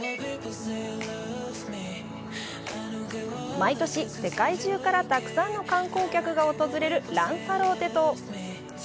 毎年、世界中からたくさんの観光客が訪れるランサローテ島。